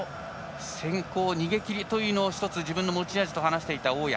先行、逃げ切りというのを１つ、自分の持ち味と話していた大矢。